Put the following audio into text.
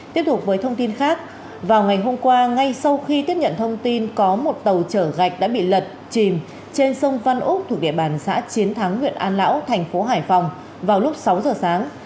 tiếp tục với thông tin khác vào ngày hôm qua ngay sau khi tiếp nhận thông tin có một tàu chở gạch đã bị lật chìm trên sông văn úc thuộc địa bàn xã chiến thắng huyện an lão thành phố hải phòng vào lúc sáu giờ sáng